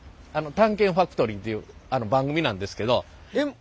「探検ファクトリー」っていう番組なんですけど。